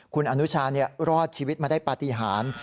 คุณอนุชารอดชีวิตมาได้ปฏิหาร